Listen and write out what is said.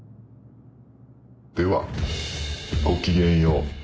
ではごきげんよう。